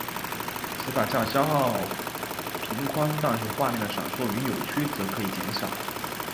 此法较消耗频宽但是画面的闪烁与扭曲则可以减少。